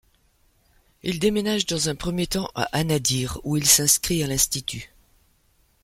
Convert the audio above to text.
Il déménage dans un premier temps à Anadyr, où il s'inscrit à l'institut.